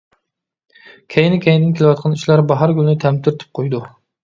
كەينى-كەينىدىن كېلىۋاتقان ئىشلار باھارگۈلنى تەمتىرىتىپ قويىدۇ.